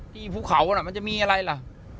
ภูเขาน่ะมันจะมีอะไรล่ะ